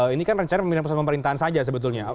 ini kan rencana pemindahan pusat pemerintahan saja sebetulnya